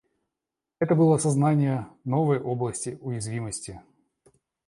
Это было сознание новой области уязвимости.